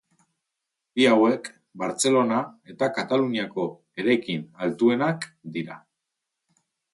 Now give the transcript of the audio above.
Bi hauek Bartzelona eta Kataluniako eraikin altuenak dira.